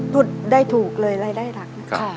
ตุดได้ถูกเลยรายได้หลัก